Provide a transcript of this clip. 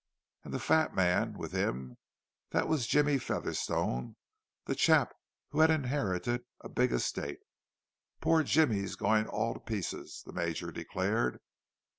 —And the fat man with him—that was Jimmie Featherstone, the chap who had inherited a big estate. "Poor Jimmie's going all to pieces," the Major declared.